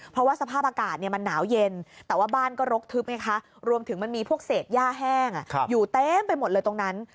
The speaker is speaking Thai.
เพราะว่าสภาพอากาศมันหนาวเย็นแต่ว่าบ้านก็รกทึบไงคะรวมถึงมันมีพวกเศษย่าแห้งอยู่เต็มไปหมดเลยตรงนั้น